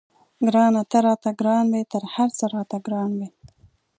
ګرانه ته راته ګران وې تر هر څه راته ګران وې.